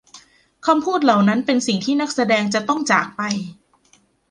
คำพูดเหล่านั้นเป็นสิ่งที่นักแสดงจะต้องจากไป